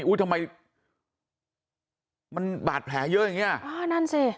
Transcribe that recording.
อุ๊ยทำไมมันบาดแผลเยอะอย่างนี้